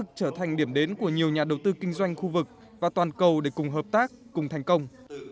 trở thành điểm đến của nhiều nhà đầu tư kinh doanh khu vực và toàn cầu để cùng hợp tác cùng thành công